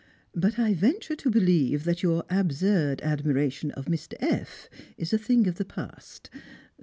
But I venture to ])elieve that your absurd aci' miration of Mr. F is a thing of the past.